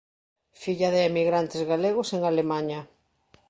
Filla de emigrantes galegos en Alemaña.